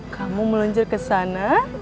kamu meluncur ke sana